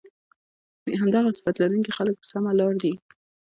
همدغه صفت لرونکي خلک په سمه لار دي